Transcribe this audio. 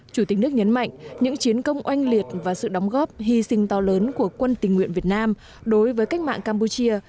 chủ tịch nước nhấn mạnh những chiến công oanh liệt và sự đóng góp hy sinh to lớn của quân tình nguyện việt nam đối với cách mạng campuchia